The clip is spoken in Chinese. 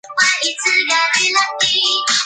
他出生于美国宾夕法尼亚州。